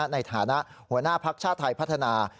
ในฐานะหัวหน้าภักดิ์ชาติไทยพัฒนา